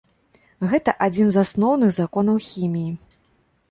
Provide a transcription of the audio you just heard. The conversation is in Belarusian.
Гэта адзін з асноўных законаў хіміі.